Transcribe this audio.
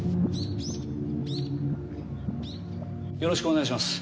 よろしくお願いします。